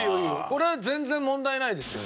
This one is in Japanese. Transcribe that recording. これ全然問題ないですよ。